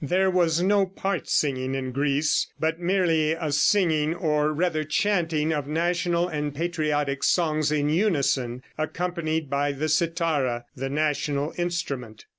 There was no part singing in Greece, but merely a singing, or rather chanting, of national and patriotic songs in unison, accompanied by the cithara, the national instrument.